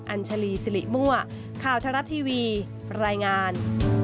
อัญชลีสิริมั่วข่าวทรัฐทีวีรายงาน